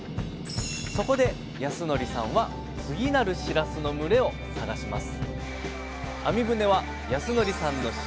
そこで康則さんは次なるしらすの群れを探します